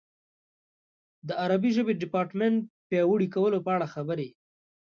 د عربي ژبې د ډیپارټمنټ پیاوړي کولو په اړه خبرې.